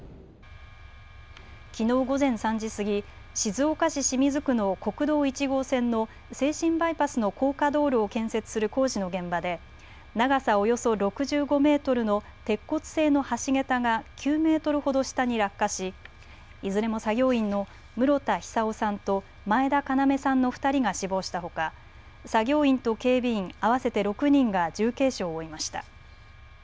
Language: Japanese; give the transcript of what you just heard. きのう午前３時過ぎ静岡市清水区の国道１号線の静清バイパスの高架道路を建設する工事の現場で長さおよそ６５メートルの鉄骨製の橋桁が９メートルほど下に落下しいずれも作業員の室田久生さんと前田要さんの２人が死亡したほか作業員と警備員合わせて６人が重軽傷を負いました。